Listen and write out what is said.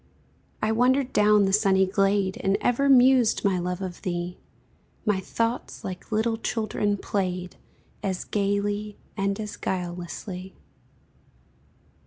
I wandered down the sunny glade And ever mused, my love, of thee; My thoughts, like little children, played, As gayly and as guilelessly.